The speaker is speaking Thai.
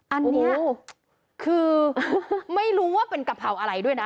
อันนี้คือไม่รู้ว่าเป็นกะเพราอะไรด้วยนะ